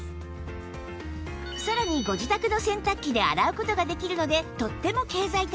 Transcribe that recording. さらにご自宅の洗濯機で洗う事ができるのでとっても経済的